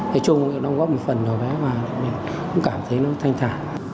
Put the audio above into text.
thế chung đóng góp một phần để cảm thấy thanh thản